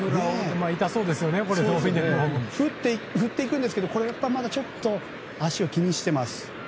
振っていくんですけどやっぱりまだちょっと足を気にしています。